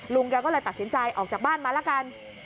แกก็เลยตัดสินใจออกจากบ้านมาละกัน